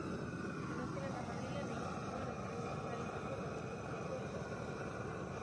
Donostian eta Madrilen egin zituen Enpresa Zuzendaritzako eta Teologiako ikasketak.